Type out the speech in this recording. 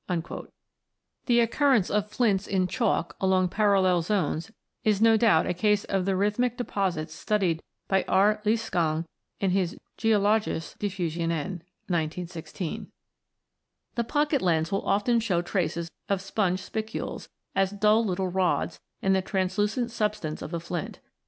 The occurrence of n] THE LIMESTONES 39 flints in chalk along parallel zones is no doubt a ease of the rhythmic deposits studied by R. Liesegang in his " Geologische DifFusionen " (1916). The pocket lens will often show traces of sponge spicules, as dull little rods, in the translucent sub stance of a flint.